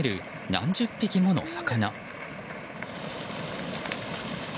何十匹もの魚。